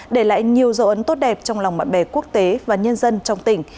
để lại nhiều dấu ấn tốt đẹp trong lòng bạn bè quốc tế và nhân dân trong tỉnh